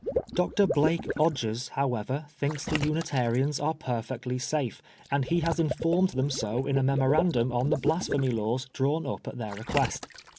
Dr. Blake Odgers, however, thinks the Unitarian& are perfectly safe, and he has informed them so in a memorandum on the Blasphemy Laws drawn up at their request.